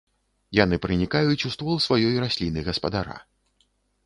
Яны пранікаюць у ствол сваёй расліны-гаспадара.